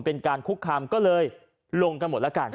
เป็นการคุกคามก็เลยลงกันหมดแล้วกัน